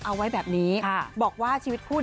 เอาไว้แบบนี้บอกว่าชีวิตคู่